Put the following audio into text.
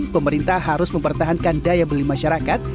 pemerintah harus mempertahankan daya beli masyarakat